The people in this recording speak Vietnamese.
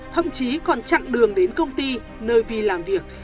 thậm chí còn chặn đường đến công ty nơi vi làm việc